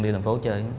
đi thành phố chơi